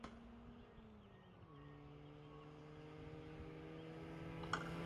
Este criterio fue introducido para tratar de representar la deformación plástica de los suelos.